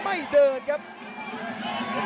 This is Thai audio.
ไม่เดิน